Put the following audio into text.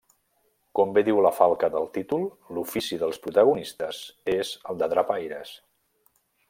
Com ve diu la falca del títol l'ofici dels protagonistes és el de drapaires.